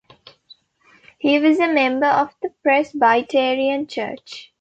He was a member of the Presbyterian Church.